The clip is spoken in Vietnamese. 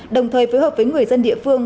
đồng thời phối hợp với người dân địa phương